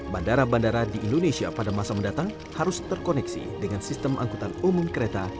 bandara bandara di indonesia pada masa mendatang harus terkoneksi dengan sistem angkutan umum kereta